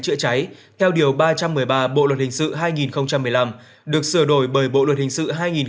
chữa cháy theo điều ba trăm một mươi ba bộ luật hình sự hai nghìn một mươi năm được sửa đổi bởi bộ luật hình sự hai nghìn một mươi bảy